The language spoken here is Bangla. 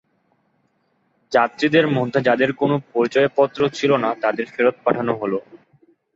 যাত্রীদের মধ্যে যাঁদের কোনো পরিচয়পত্র ছিল না, তাঁদের ফেরত পাঠানো হয়।